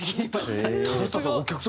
ただただお客さん